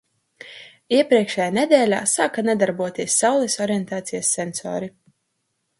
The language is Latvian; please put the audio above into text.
Iepriekšējā nedēļā sāka nedarboties Saules orientācijas sensori.